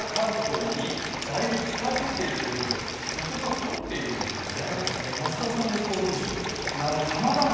東海や関東にだいぶ近づいているということで予測はそろっているんですよね。